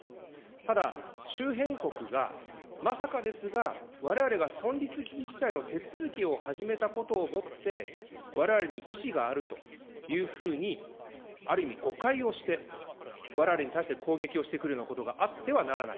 ただ、周辺国がまさかですが、われわれが存立危機事態の手続きを始めたことをもって、われわれに意思があるというふうに、ある意味、誤解をして、われわれに対して攻撃をしてくるようなことがあってはならない。